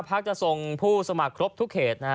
ภักดิ์จะทรงผู้สมัครครบทุกเขต